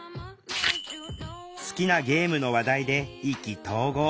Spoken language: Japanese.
好きなゲームの話題で意気投合。